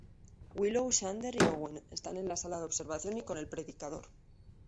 Willow, Xander y Owen están en la sala de observación y con el predicador.